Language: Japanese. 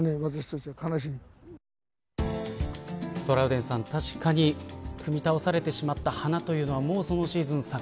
トラウデンさん、確かに踏み倒されてしまった花というのはもうそのシーズン